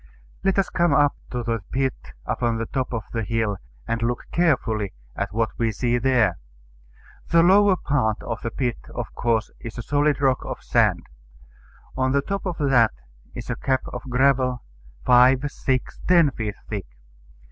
Let us come up to the pit upon the top of the hill, and look carefully at what we see there. The lower part of the pit of course is a solid rock of sand. On the top of that is a cap of gravel, five, six, ten feet thick.